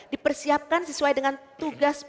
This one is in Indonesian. dipersiapkan sesuai dengan tugas